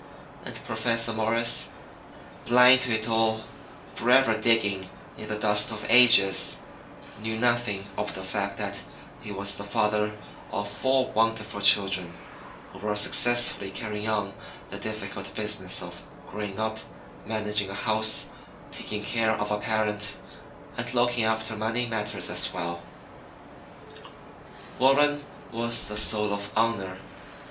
And Professor Morris, blind to it all, forever digging in the dust of ages, knew nothing of the fact that he was the father of four wonderful children who were successfully carrying on the difficult business of growing up, managing a house, taking care of a parent, and looking after money matters as well. Warren was the soul of honor.